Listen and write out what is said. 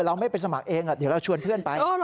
เราไม่ไปสมัครเองเดี๋ยวเราชวนเพื่อนไป